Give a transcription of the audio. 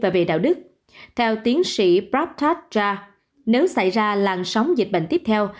về đạo đức theo tiến sĩ prabhat jha nếu xảy ra làn sóng dịch bệnh tiếp theo